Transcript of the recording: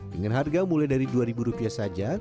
dengan harga mulai dari dua ribu rupiah saja